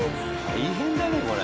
大変だねこれ。